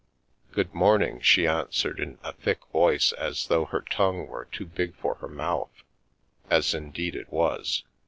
" Good morning," she answered, in a thick voice as though her tongue were too big for her mouth, as in deed it was.